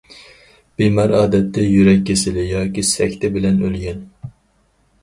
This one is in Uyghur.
بىمار ئادەتتە يۈرەك كېسىلى ياكى سەكتە بىلەن ئۆلگەن.